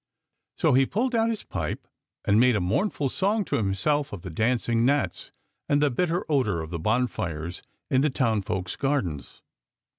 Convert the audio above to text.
So he pulled out his pipe, and made a mournful song to himself of the dancing THE POET'S ALLEGOEY 213 gnats and the bitter odour of the bonfires in the townsfolk's gardens.